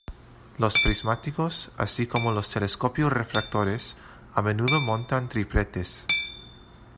Los prismáticos, así como los telescopios refractores, a menudo montan tripletes.